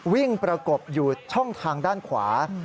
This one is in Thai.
ประกบอยู่ช่องทางด้านขวา